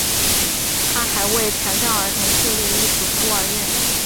他还为残障儿童设立了一所孤儿院。